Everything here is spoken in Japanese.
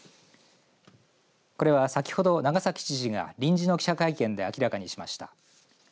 これは、先ほど長崎知事が臨時の記者会見で明らかにしました。